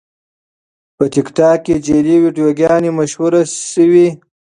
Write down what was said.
په ټیکټاک کې جعلي ویډیوګانې مشهورې شوې.